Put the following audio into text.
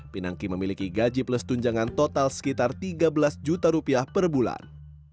pinangki memiliki gaji plus tunjangan total sekitar tiga belas juta rupiah per bulan